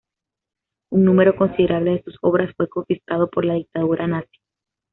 Un número considerable de sus obras fue confiscado por la dictadura nazi.